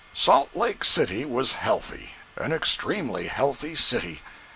111.jpg (83K) Salt Lake City was healthy—an extremely healthy city.